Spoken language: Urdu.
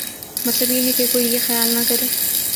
مطلب یہ ہے کہ کوئی یہ خیال نہ کرے